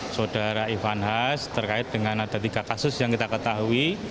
saudara ivan has terkait dengan ada tiga kasus yang kita ketahui